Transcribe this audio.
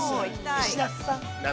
石田さん。